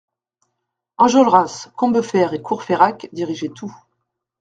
Enjolras, Combeferre et Courfeyrac dirigeaient tout.